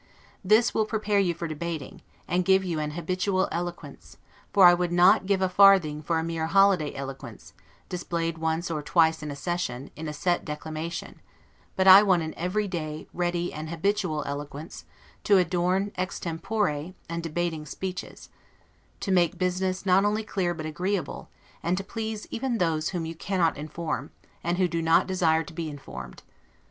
This will prepare you for debating, and give you an habitual eloquence; for I would not give a farthing for a mere holiday eloquence, displayed once or twice in a session, in a set declamation, but I want an every day, ready, and habitual eloquence, to adorn extempore and debating speeches; to make business not only clear but agreeable, and to please even those whom you cannot inform, and who do not desire to be informed.